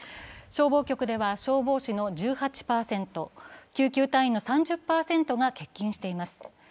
消防局では消防士の１８％救急隊員の３０％が欠勤しています。